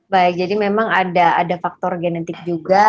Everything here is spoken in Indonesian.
baik jadi memang ada faktor genetik juga